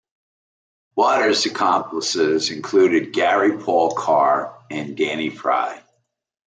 Waters' accomplices included Gary Paul Karr and Danny Fry.